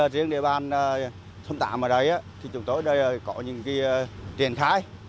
riêng địa bàn thông tạm ở đây chúng tôi có những triển khai